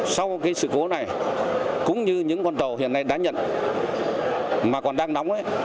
sau cái sự cố này cũng như những con tàu hiện nay đã nhận mà còn đang đóng ấy